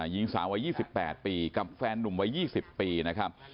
หญิงสาววัย๒๘ปีกับแฟนนุ่มวัย๒๐ปีนะครับ